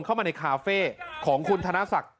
เข้ามาในคาเฟ่ของคุณธนศักดิ์